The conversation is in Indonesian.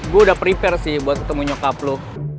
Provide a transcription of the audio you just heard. gue udah prepare sih buat ketemu nyokap lo